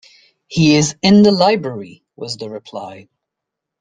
"He is in the library," was the reply.